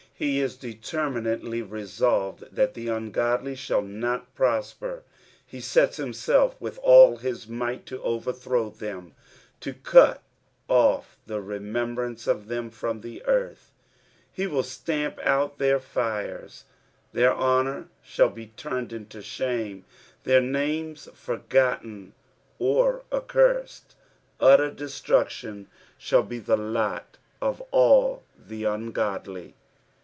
He is determinatel; resolved that the ungodly shall not prosper ; he sets himself with all hiB might to overthrow them. " To cut off IM rememhranee of thtm from the earth." He will stamp out tbeir fires, their honour shall he turned into shame, their names forgotten or accursed. Utter destructioQ aball be the lot of all the ungodly.